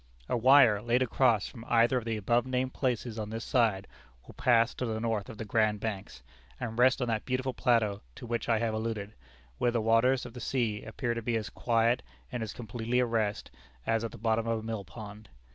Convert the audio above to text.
"A wire laid across from either of the above named places on this side will pass to the north of the Grand Banks, and rest on that beautiful plateau to which I have alluded, where the waters of the sea appear to be as quiet and as completely at rest as at the bottom of a mill pond.